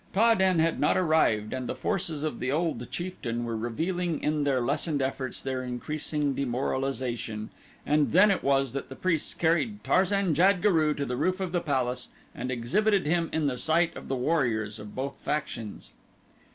Ta den had not arrived and the forces of the old chieftain were revealing in their lessened efforts their increasing demoralization, and then it was that the priests carried Tarzan jad guru to the roof of the palace and exhibited him in the sight of the warriors of both factions.